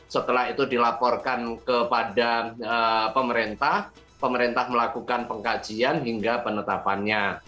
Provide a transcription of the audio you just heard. setelah itu dilaporkan kepada pemerintah pemerintah melakukan pengkajian hingga penetapannya